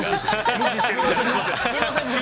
無視して。